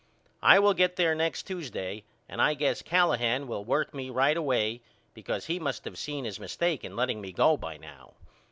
I will get there next Tuesday and I guess Callahan will work me right away because he must of seen his mistake in letting me go by now.